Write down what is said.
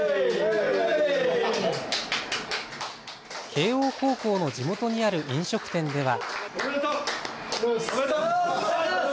慶応高校の地元にある飲食店では。